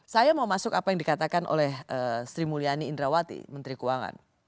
saya mau masuk apa yang dikatakan oleh sri mulyani indrawati menteri keuangan